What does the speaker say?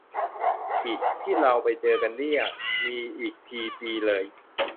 อิ ที่เราไปเจอกันเนี่ย มีอีกที ปีเลย